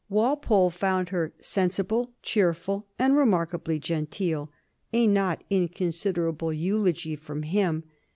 Walpole found her sensible, cheerful, and remarkably genteel, a not inconsiderable eulogy from him.